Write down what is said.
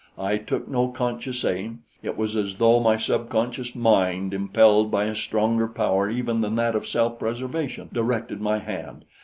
I took no conscious aim; it was as though my subconscious mind, impelled by a stronger power even than that of self preservation, directed my hand.